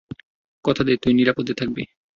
কথা দে তুই নিরাপদে থাকবি।